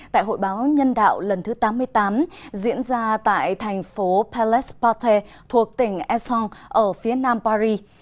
tại hội báo nhân đạo lần thứ tám mươi tám diễn ra tại thành phố palais pathé thuộc tỉnh aisson ở phía nam paris